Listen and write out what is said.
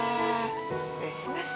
失礼します。